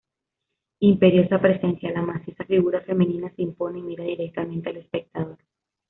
Imperiosa presencia, la maciza figura femenina se impone y mira directamente al espectador.